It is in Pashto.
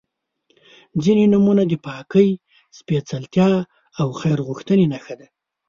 • ځینې نومونه د پاکۍ، سپېڅلتیا او خیر غوښتنې نښه ده.